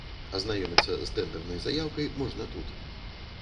Азнаёміцца з тэндэрнай заяўкай можна тут.